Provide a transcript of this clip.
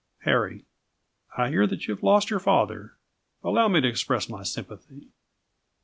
Harry I hear that you have lost your father. Allow me to express my sympathy.